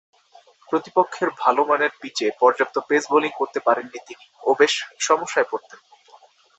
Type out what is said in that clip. প্রতিপক্ষের ভালোমানের পিচে পর্যাপ্ত পেস বোলিং করতে পারেননি তিনি ও বেশ সমস্যায় পড়তেন।